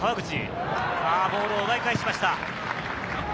ボールを奪い返しました。